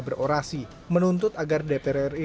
berorasi menuntut agar dprri